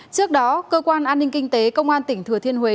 trước đó cơ quan an ninh kinh tế công an tỉnh thừa thiên huế